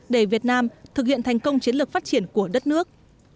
để việt nam thực hiện thành công chiến lược phát triển của đất nước